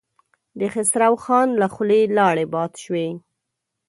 د خسرو خان له خولې لاړې باد شوې.